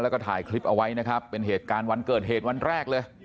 แล้วก็ถ่ายคลิปเอาไว้นะครับเป็นเหตุการณ์วันเกิดเหตุวันแรกเลย